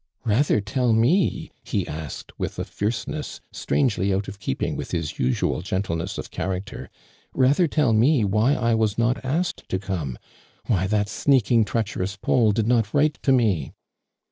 " Rather tell me," he asked, with a fierce ness strangely out of keeping with his usual gentleness of character, "rather tell me why I was not asked to come — why that sneaking, treacherous Paul did not write to me?"